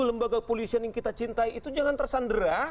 lembaga polisi yang kita cintai itu jangan tersandera